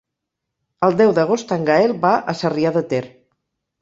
El deu d'agost en Gaël va a Sarrià de Ter.